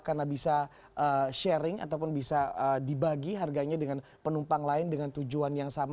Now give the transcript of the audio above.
karena bisa sharing ataupun bisa dibagi harganya dengan penumpang lain dengan tujuan yang sama